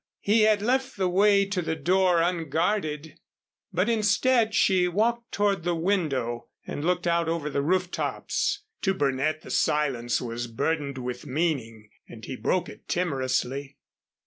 He had left the way to the door unguarded, but instead she walked toward the window, and looked out over the roof tops. To Burnett the silence was burdened with meaning, and he broke it timorously.